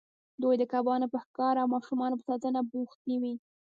دوی د کبانو په ښکار او ماشومانو په ساتنه بوختې وې.